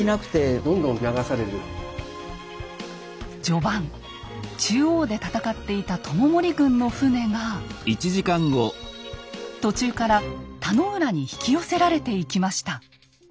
序盤中央で戦っていた知盛軍の船が途中から田野浦に引き寄せられていきました。